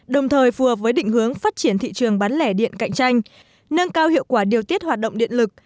đồng thời phù hợp với định hướng phát triển thị trường bán lẻ điện cạnh tranh nâng cao hiệu quả điều tiết hoạt động điện lực